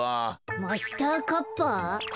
マスターカッパー？うむ。